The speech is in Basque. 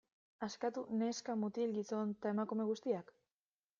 Askatu neska, mutil, gizon eta emakume guztiak?